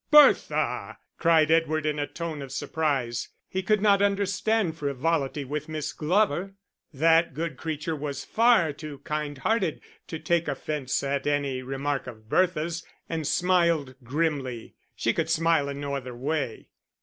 "Bertha!" cried Edward, in a tone of surprise; he could not understand frivolity with Miss Glover. That good creature was far to kind hearted to take offence at any remark of Bertha's, and smiled grimly: she could smile in no other way.